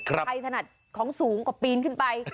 ใครถนัดของสูงกว่าปีนขึ้นไป